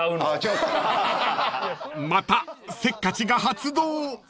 ［またせっかちが発動］